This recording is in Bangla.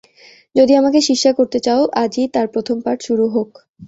যদি আমাকে শিষ্যা করতে চাও আজই তার প্রথম পাঠ শুরু হোক।